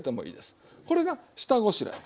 これが下ごしらえ。